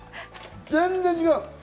全然違う。